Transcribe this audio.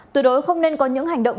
tối đối không nên có những hành động